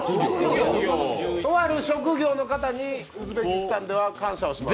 とある職業の方にウズベキスタンでは感謝します。